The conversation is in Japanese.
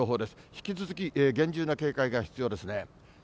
引き続き厳重な警戒が必要ですね。